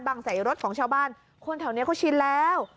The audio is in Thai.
ใส่รถของชาวบ้านคนแถวนี้เขาชินแล้ว